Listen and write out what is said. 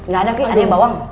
gak ada ki ada yang bawang